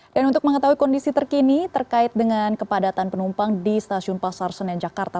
dan untuk mengetahui kondisi terkini terkait dengan kepadatan penumpang di stasiun pasar senen jakarta